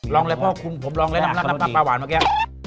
ลองเลยพ่อคุณผมลองเล่นน้ำรักน้ำปลาปลาหวานเมื่อกี้